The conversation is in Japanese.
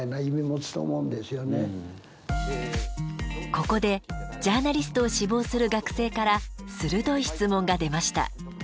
ここでジャーナリストを志望する学生から鋭い質問が出ました。